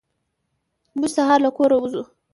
موږ سهار له کوره وځو.